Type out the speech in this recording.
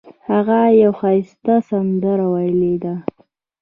هغه یوه ښایسته سندره ویلې ده